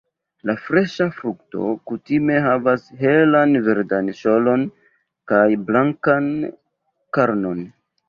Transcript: La freŝa frukto kutime havas helan verdan ŝelon kaj blankan karnon.